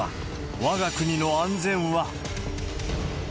わが国の安全は？